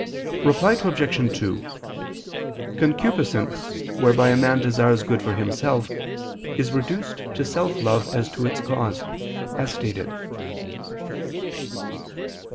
Reply Obj. 2: Concupiscence, whereby a man desires good for himself, is reduced to self love as to its cause, as stated.